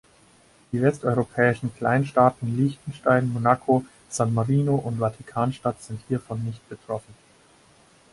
Die westeuropäischen Kleinstaaten Liechtenstein, Monaco, San Marino und Vatikanstadt sind hiervon nicht betroffen.